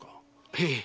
へえ。